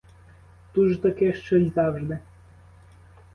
Ту ж таки, що й завжди.